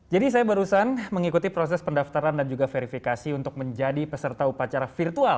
jadi saya barusan mengikuti proses pendaftaran dan juga verifikasi untuk menjadi peserta upacara virtual